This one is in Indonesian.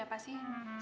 sampai se medik ya